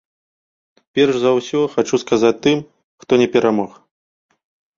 Перш за ўсё хачу сказаць тым, хто не перамог.